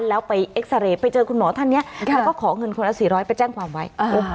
แล้วไปเอ็กซาเรย์ไปเจอคุณหมอท่านนี้แล้วก็ขอเงินคนละ๔๐๐ไปแจ้งความไว้